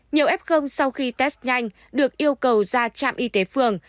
nhiều f sau khi test nhanh được yêu cầu ra trạm y tế phường